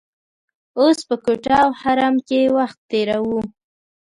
اوس په کوټه او حرم کې وخت تیروو.